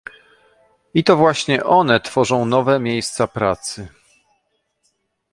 I to właśnie one tworzą nowe miejsca pracy